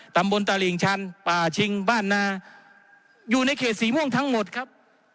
ตำบลตลิ่งชันป่าชิงบ้านนาอยู่ในเขตสีม่วงทั้งหมดครับ